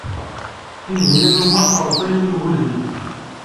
Tinhinan u Muḥ tṛebba yiwen n ugujil.